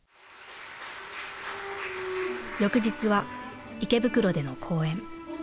翌日は池袋での公演。